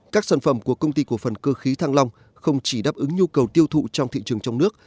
các sản phẩm của công ty cổ phần cơ khí thăng long không chỉ đáp ứng nhu cầu tiêu thụ trong thị trường trong nước